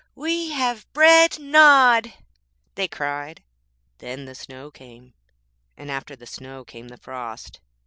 'We have bread nod' they cried. Then the snow came, and after the snow came the frost.